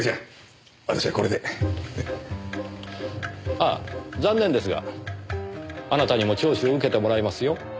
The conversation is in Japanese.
ああ残念ですがあなたにも聴取を受けてもらいますよ。